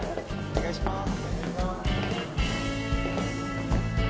お願いします